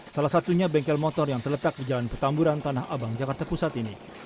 salah satunya bengkel motor yang terletak di jalan petamburan tanah abang jakarta pusat ini